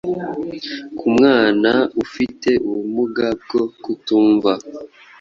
ku mwana ufite ubumuga bwo kutumva